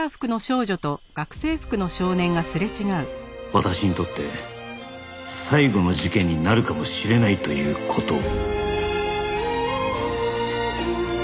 「私にとって最後の事件になるかもしれないという事を」